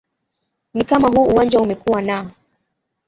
ni kama huu uwanja umekuwa naa